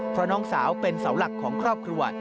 เพราะน้องสาวเป็นเสาหลักของครอบครัว